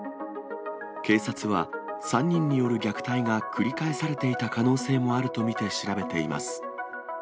警察は、３人による虐待が繰り返されていた可能性もあると見て、調べています。